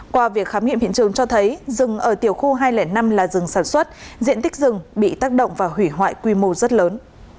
qua việc khám nghiệm hiện trường cho thấy rừng ở tiểu khu hai trăm linh năm là rừng sản xuất diện tích rừng bị tác động và hủy hoại quy mô rất lớn